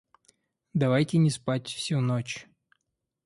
Давайте не спать всю ночь!